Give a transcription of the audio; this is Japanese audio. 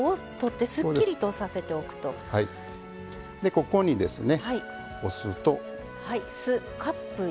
ここにですねお酢と。